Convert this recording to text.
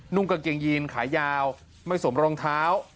กางเกงยีนขายาวไม่สวมรองเท้า